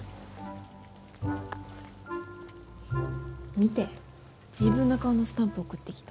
見て、自分の顔のスタンプ送ってきた。